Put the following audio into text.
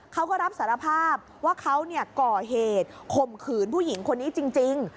เขาก็รับสารภาพว่าเขาก่อเหตุข่มขืนผู้หญิงคนนี้จริง